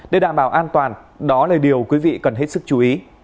để đảm bảo an toàn đó là điều quý vị cần hết sức chú ý